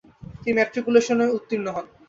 তিনি ম্যাট্রিকুলেশনে উত্তীর্ণ হন।